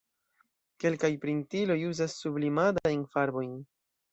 Kelkaj printiloj uzas sublimadajn farbojn.